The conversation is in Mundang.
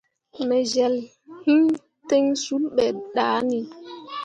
Me jel hi ten sul be dah ni.